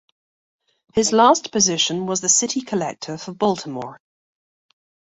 His last position was the City Collector for Baltimore.